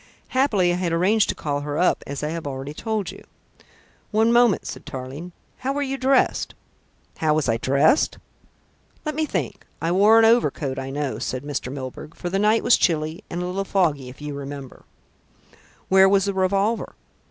Happily I had arranged to call her up, as I have already told you." "One moment," said Tarling. "How were you dressed?" "How was I dressed? Let me think. I wore a heavy overcoat, I know," said Mr. Milburgh, "for the night was chilly and a little foggy, if you remember." "Where was the revolver?"